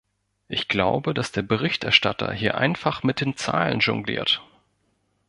Ich glaube, dass der Berichterstatter hier einfach mit den Zahlen jongliert.